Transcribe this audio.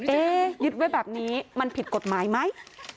ยึดไว้แบบนี้มันผิดกฎหมายไหม